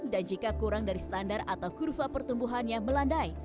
dan jika kurang dari standar atau kurva pertumbuhannya melandai